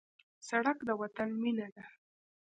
سړک د وطن وینه ده.